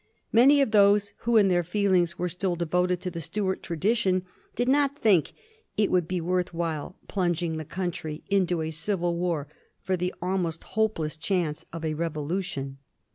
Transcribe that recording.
Many of those who in their feelings were still devoted to the Stuart tradition did not think it would be worth while plunging the coun try into a civil war for the almost hopeless chance of a revolution.